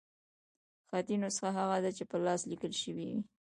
خطي نسخه هغه ده، چي په لاس ليکل سوې يي.